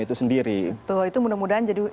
itu sendiri itu mudah mudahan jadi